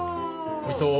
おいしそう。